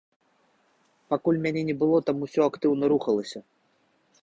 Пакуль мяне не было, там усё актыўна рухалася.